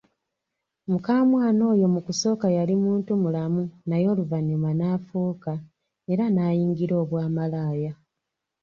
Mukamwana oyo mu kusooka yali muntu mulamu naye oluvanyuma n‘afuuka, era nayingirira obwamalaaya.